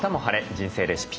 人生レシピ」